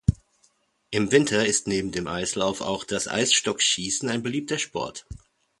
Im Winter ist neben dem Eislauf auch das Eisstockschießen ein beliebter Sport.